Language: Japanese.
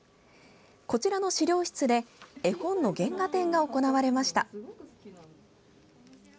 こちらの資料室で絵本の原画展が行われました。